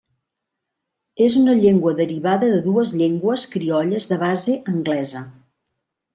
És una llengua derivada de dues llengües criolles de base anglesa.